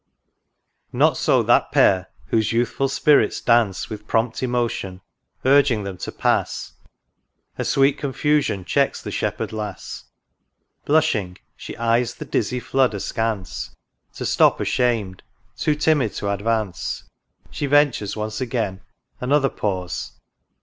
Not so that Pair whose youthful spirits dance With prompt emotion, urging them to pass ; A sweet confusion checks the Shepherd lass ; Blushing she eyes the dizzy flood askance, — To stop ashamed — too timid to advance; She ventures once again — another pause